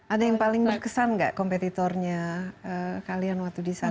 ada yang paling berkesan nggak kompetitornya kalian waktu di sana